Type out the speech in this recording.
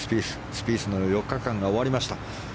スピースの４日間が終わりました。